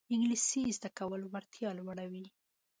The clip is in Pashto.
انګلیسي زده کول وړتیا لوړوي